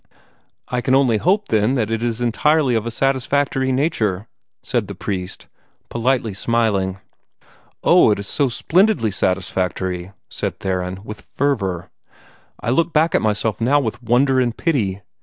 "I can only hope, then, that it is entirely of a satisfactory nature," said the priest, politely smiling. "Oh, it is so splendidly satisfactory!" said Theron, with fervor. "I look back at myself now with wonder and pity.